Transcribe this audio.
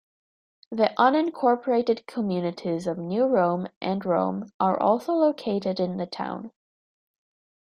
The unincorporated communities of New Rome and Rome are also located in the town.